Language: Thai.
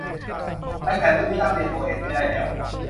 ไอแพดรุ่นนี้อัปเดตโอเอสไม่ได้แล้ว